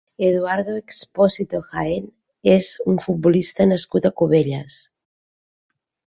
Eduardo Expósito Jaén és un futbolista nascut a Cubelles.